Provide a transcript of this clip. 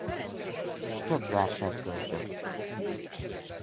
Több verset költött.